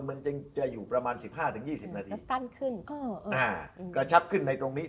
มันจะอยู่ประมาณ๑๕๒๐นาทีก็ชัดขึ้นในตรงนี้